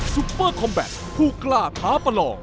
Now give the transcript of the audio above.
ซุปเปอร์คอมแบตผู้กล้าท้าประหลอก